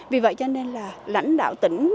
vì vậy cho nên là lãnh đạo tỉnh